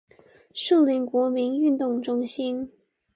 樹林國民運動中心